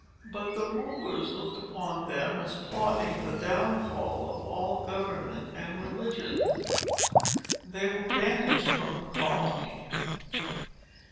But the rulers looked upon them as plotting the downfall of all government and religion. They were banished from the colony.